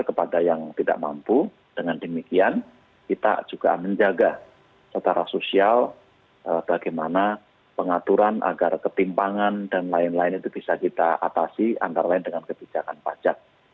kepada yang tidak mampu dengan demikian kita juga menjaga secara sosial bagaimana pengaturan agar ketimpangan dan lain lain itu bisa kita atasi antara lain dengan kebijakan pajak